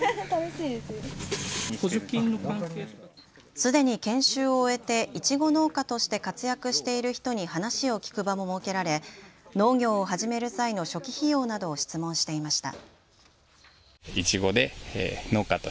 すでに研修を終えていちご農家として活躍している人に話を聞く場も設けられ農業を始める際の初期費用などを質問していました。